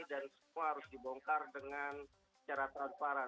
dan semua harus dibongkar dengan cara transparan